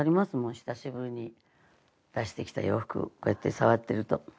久しぶりに出してきた洋服をこうやって触ってると。